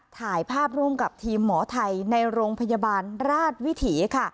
ถ่ายภาพร่วมกับทีมหมอไทยในโรงพยาบาลราชวิถีค่ะ